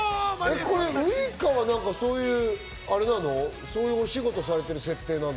ウイカは、そういうお仕事をされてる設定なの？